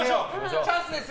チャンスですよ。